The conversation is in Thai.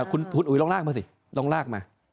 คุณอุ๋ยลองลากมาสิลองลากมา